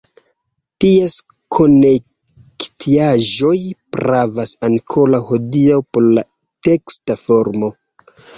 Ties konjektaĵoj gravas ankoraŭ hodiaŭ por la teksta formo.